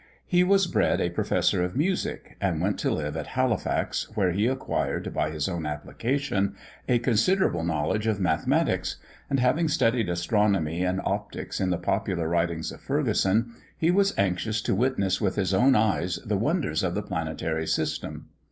He was bred a professor of music, and went to live at Halifax, where he acquired, by his own application, a considerable knowledge of mathematics; and, having studied astronomy and optics in the popular writings of Ferguson, he was anxious to witness with his own eyes the wonders of the planetary system.